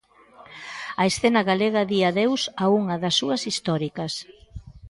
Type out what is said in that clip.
A escena galega di adeus a unha das súas históricas.